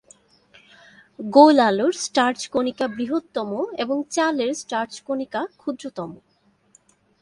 গোল আলুর স্টার্চ কণিকা বৃহত্তম এবং চালের স্টার্চ কণিকা ক্ষুদ্রতম।